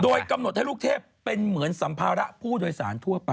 โดยกำหนดให้ลูกเทพเป็นเหมือนสัมภาระผู้โดยสารทั่วไป